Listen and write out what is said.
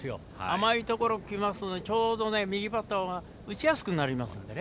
甘いところに来ますとちょうど右バッターは打ちやすくなりますので。